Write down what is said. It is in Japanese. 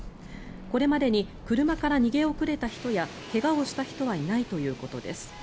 これまでに車から逃げ遅れた人や怪我をした人はいないということです。